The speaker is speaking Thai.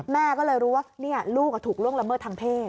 แม่ก็เลยรู้ว่าลูกถูกล่วงละเมิดทางเพศ